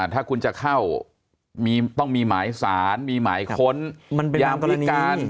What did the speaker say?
ถ้าคุณจะเข้าต้องมีหมายสารมีหมายค้นยามพิการ